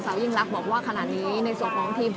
และที่อยู่ด้านหลังคุณยิ่งรักนะคะก็คือนางสาวคัตยาสวัสดีผลนะคะ